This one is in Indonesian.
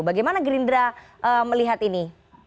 bagaimana gerindra melihat ini